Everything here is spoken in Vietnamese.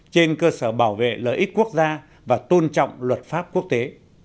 trên cơ sở bảo vệ lợi ích quốc gia và tôn trọng luật pháp quốc tế